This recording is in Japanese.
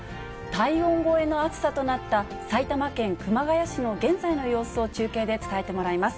体温超えの暑さとなった埼玉県熊谷市の現在の様子を中継で伝えてもらいます。